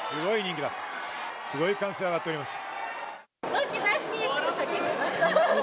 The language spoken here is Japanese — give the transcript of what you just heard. すごい歓声が上がっております。